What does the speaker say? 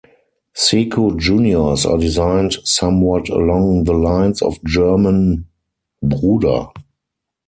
Siku Juniors are designed somewhat along the lines of German Bruder.